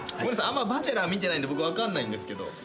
あんま『バチェラー』見てないんで僕分かんないんですけど。